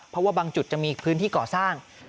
เพราะว่าบางจุดจะมีพื้นที่ก่อสร้าง